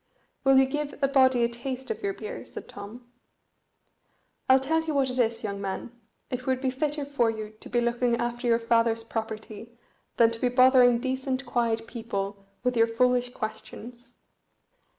"Will you give a body a taste of your beer?" said Tom. "I'll tell you what it is, young man, it would be fitter for you to be looking after your father's property than to be bothering decent quiet people with your foolish questions.